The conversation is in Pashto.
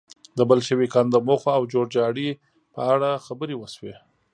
د بلشویکانو د موخو او جوړجاړي په اړه خبرې وشوې